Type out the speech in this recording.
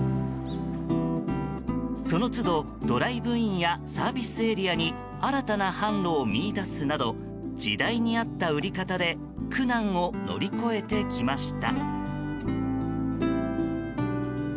その都度、ドライブインやサービスエリアに新たな販路を見いだすなど時代に合った売り方で苦難を乗り越えてきました。